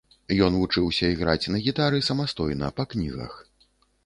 Ён вучыўся іграць на гітары самастойна, па кнігах.